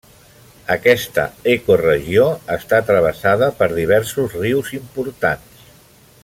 Aquesta ecoregió està travessada per diversos rius importants.